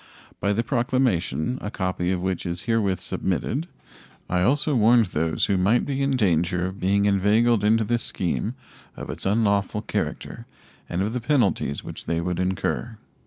By the proclamation a copy of which is herewith submitted I also warned those who might be in danger of being inveigled into this scheme of its unlawful character and of the penalties which they would incur.